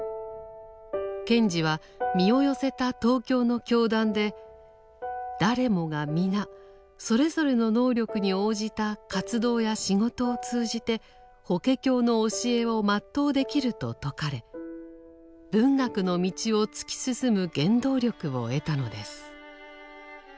賢治は身を寄せた東京の教団で誰もが皆それぞれの能力に応じた活動や仕事を通じて「法華経」の教えを全うできると説かれ文学の道を突き進む原動力を得たのです。